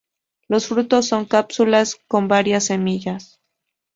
Los frutos son cápsulas con varias semillas.